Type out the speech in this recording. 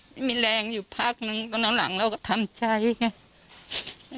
ไม่มีแรงอยู่พักนึงตอนหลังเราก็ทำใจไง